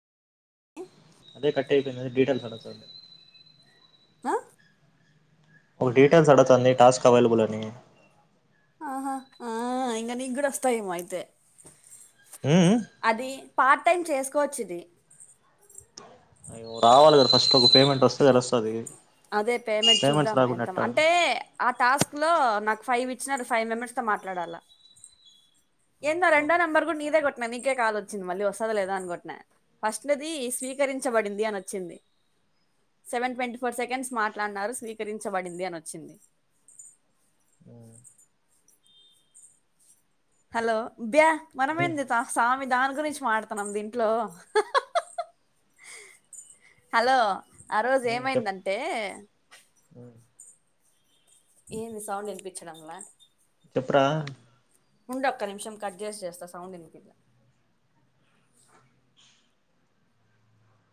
అదే కట్ అయిపోనయి డీటెయిల్స్ అడుగుతారు అ ఓ డీటెల్స్ అడుగుతుంది టాస్క్ అవైలబుల్ అని ఆహ ఆ ఇంగ నీక్ కూడ వస్తాయేమో అయితే ఉ ఉ అది పార్ట్ టైం చేసుకోవచ్చు ఇది రావాలి కదా ఫస్ట్ ఒక పేమెంట్ వస్తే కదా తెలుస్తది అదే పేమెంట్ పేమెంట్స్ చూద్దాం రాకుండా ఎంత ఎట్టా అంటే ఆ టాస్క్ లో నాకు ఫైవ్ ఇచ్చినారు ఫైవ్ మెంబర్స్ తో మాట్లాడాల ఏందో అబ్బా రెండో నంబర్ కూడ నీదే కొట్టిన నీకే కాల్ వచ్చింది మళ్ళీ వస్తుంద లేదా అని కోట్టిన ఫస్ట్ లోది స్వీకరించబడింది అని వచ్చింది సెవెన్ ట్వంటీ ఫోర్ సెకండ్స్ మాట్లాడన్నారు స్వీకరించబడింది అని వచ్చింది ఆ హలో బ్యా ఉమ్ మనమేంది స్వామి దాని గురించి మాడుతున్నాం దీంట్లో హలో ఆ రోజు ఏమైందంటే ఆ ఏంది సౌండ్ ఇనిపించడం ల చెప్పురా ఉండు ఒక్క నిమిషం కట్ జేసి చేస్తా సౌండ్ వినిపిల్లా